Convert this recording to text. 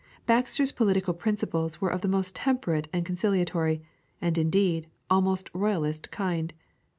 Baxter's political principles were of the most temperate and conciliatory, and indeed, almost royalist kind.